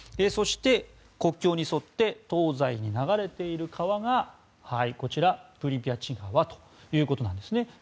そして、国境に沿って東西に流れている川がプリピャチ川ということなんですね。